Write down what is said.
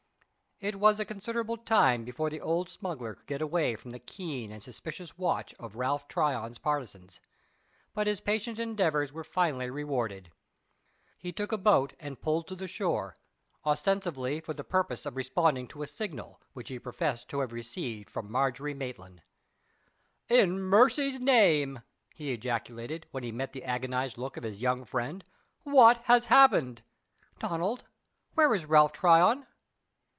It was a considerable time before the old smuggler could get away from the keen and suspicious watch of Ralph Tryon's partisans; but his patient endeavors were finally rewarded. He took a boat and pulled to the shore, ostensibly for the purpose of responding to a signal, which he professed to have received from Margery Maitland. "In mercy's name!" he ejaculated, when he met the agonized look of his young friend, "what has happened?" "Donald, where is Ralph Tryon?"